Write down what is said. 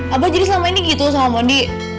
apa jadi selama ini gitu sama mondi